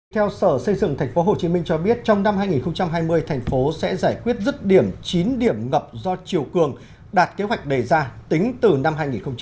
theo sở xây dựng tp hcm cho biết trong năm hai nghìn hai mươi thành phố sẽ giải quyết rứt điểm chín điểm ngập do triều cường đạt kế hoạch đề ra tính từ năm hai nghìn hai mươi một